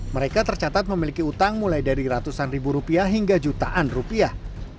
mereka tercatat memiliki utang mulai dari ratusan ribu rupiah hingga jutaan rupiah